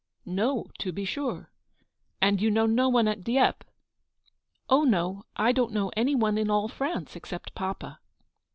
" No, to be sure ; and you know no one at Dieppe?" " Oh, no, I don't know any one in all France, except papa."